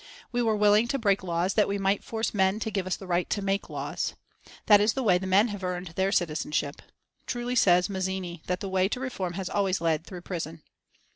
We were willing to break laws that we might force men to give us the right to make laws. That is the way men have earned their citizenship. Truly says Mazzini that the way to reform has always led through prison.